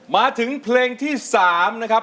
มาถึงเพลงที่๓นะครับ